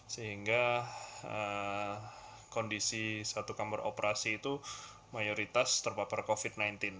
sehingga kondisi satu kamar operasi itu mayoritas terpapar covid sembilan belas